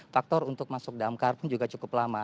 faktor untuk masuk dalam kar pun juga cukup lama